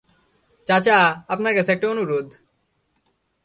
চাচা, আপনার কাছে একটা অনুরোধ।